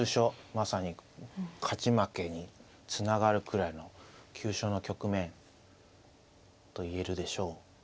まさに勝ち負けにつながるくらいの急所の局面と言えるでしょう。